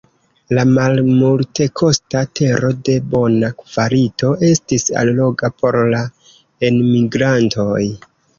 La malmultekosta tero de bona kvalito estis alloga por la enmigrantoj.